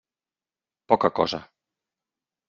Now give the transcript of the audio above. Poca cosa.